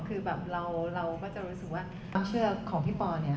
คือแบบเราก็จะรู้สึกว่าความเชื่อของพี่ปอเนี่ย